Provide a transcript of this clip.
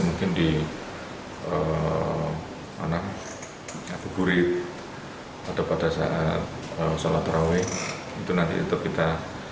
mungkin di anak burit atau pada saat sholat terawih itu nanti untuk kita